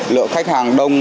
lượng khách hàng đông